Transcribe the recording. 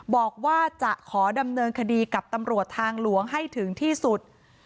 บอกว่าจะขอดำเนินคดีกับตำรวจทางหลวงให้ถึงที่สุด